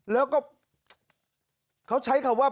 แล้วก็เขาใช้คำว่า